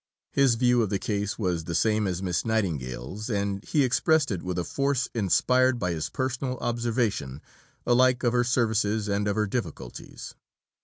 His view of the case was the same as Miss Nightingale's, and he expressed it with a force inspired by his personal observation, alike of her services and of her difficulties.